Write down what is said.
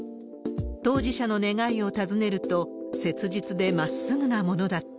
当事者の願いを尋ねると、切実でまっすぐなものだった。